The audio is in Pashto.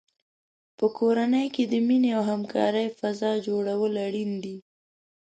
په کورنۍ کې د مینې او همکارۍ فضا جوړول اړین دي.